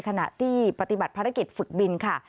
ขณะที่ปฏิบัติภารกิจฝึกบินค่ะ